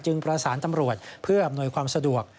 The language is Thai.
ประสานตำรวจเพื่ออำนวยความสะดวก